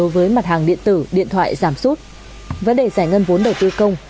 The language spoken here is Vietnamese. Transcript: với mặt hàng điện tử điện thoại giảm sút vấn đề giải ngân vốn đầu tư công